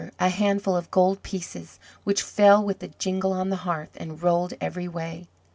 a handful of gold pieces, which fell with a jingle on the hearth, and rolled every way.